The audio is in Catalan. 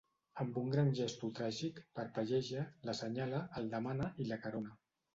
Amb un gran gesto tràgic parpelleja, l'assenyala, el demana i l'acarona.